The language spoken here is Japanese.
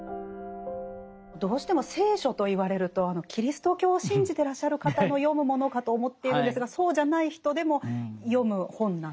どうしても聖書と言われるとキリスト教を信じてらっしゃる方の読むものかと思っているんですがそうじゃない人でも読む本なんでしょうか？